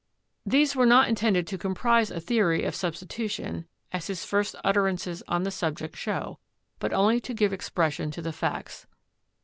These were not intended to comprize a theory of substi tution, as his first utterances on the subject show, but only to give expression to the facts.